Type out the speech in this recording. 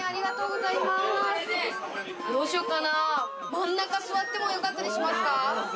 真ん中座ってもよかったりしますか？